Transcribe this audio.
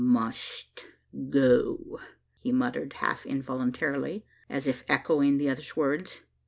"Must go!" he muttered, half involuntarily, as if echoing the other's words.